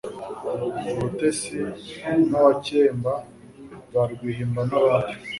urutesi n'abakemba za rwihimba n'abandi